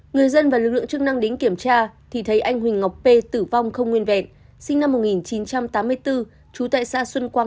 người dân và lực lượng chức năng đến kiểm tra thì thấy anh huỳnh ngọc p tử vong không nguyên vẹn sinh năm một nghìn chín trăm tám mươi bốn trú tại xã xuân quang